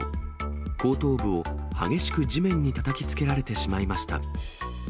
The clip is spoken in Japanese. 後頭部を激しく地面にたたきつけられてしまいました。